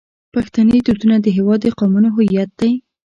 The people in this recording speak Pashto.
پښتني دودونه د هیواد د قومونو هویت دی.